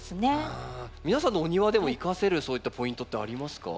皆さんのお庭でも生かせるそういったポイントってありますか？